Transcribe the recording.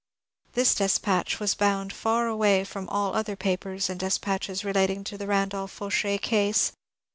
This despatch was bound far away from all other papers and despatches re lating to the Randolph Fauchet case.